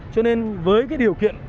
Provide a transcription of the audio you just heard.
cho nên với cái điều kiện